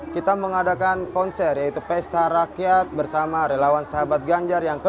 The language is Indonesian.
kita mengadakan konser yaitu pesta rakyat bersama relawan sahabat ganjar yang ke tujuh puluh